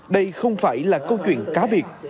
đây không phải là câu chuyện cá biệt